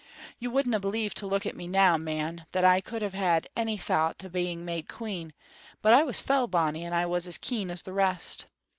You wouldna believe to look at me now, man, that I could have had any thait o' being made queen, but I was fell bonny, and I was as keen as the rest.